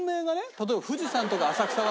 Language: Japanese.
例えば富士山とか浅草は。